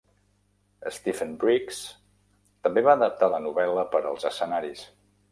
Stephen Briggs també va adaptar la novel·la per als escenaris.